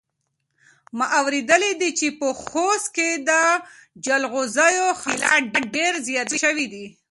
ما اورېدلي دي چې په خوست کې د جلغوزیو حاصلات ډېر زیات شوي دي.